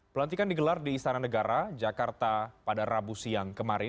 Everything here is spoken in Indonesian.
pelantikan digelar di istana negara jakarta pada rabu siang kemarin